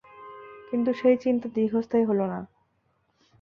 কিন্তু সেই চিন্তা দীর্ঘস্থায়ী হল না।